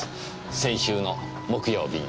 先週の木曜日に。